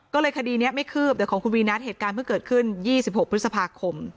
ก็เลยคดีนี้ไม่คืบเดี๋ยวของคุณวีนัทเหตุการณ์เพิ่งเกิดขึ้น๒๖พฤษภาคม